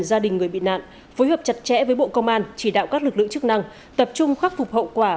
gia đình người bị nạn phối hợp chặt chẽ với bộ công an chỉ đạo các lực lượng chức năng tập trung khắc phục hậu quả